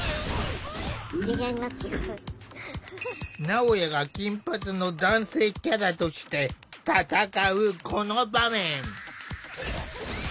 なおやが金髪の男性キャラとして戦うこの場面。